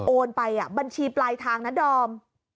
โอนไปบัญชีปลายทางนะดอม